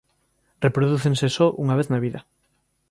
Reprodúcense só unha vez na vida.